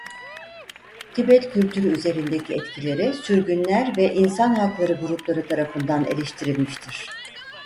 Tibet kültürü üzerindeki etkileri sürgünler ve insan hakları grupları tarafından eleştirilmiştir.